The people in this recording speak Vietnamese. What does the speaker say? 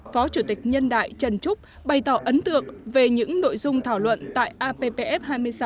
phó chủ tịch nhân đại trần trúc bày tỏ ấn tượng về những nội dung thảo luận tại appf hai mươi sáu